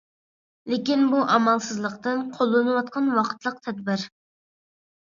لېكىن بۇ ئامالسىزلىقتىن قوللىنىلىۋاتقان ۋاقىتلىق تەدبىر.